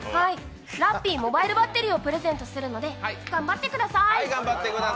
ラッピーモバイルバッテリーをプレゼントするので頑張ってください。